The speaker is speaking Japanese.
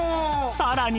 さらに